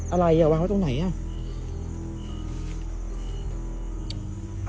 อะไรอ่ะวางไว้ตรงไหนอ่ะ